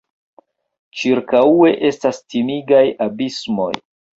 Ĉirkaŭe estas timigaj abismoj.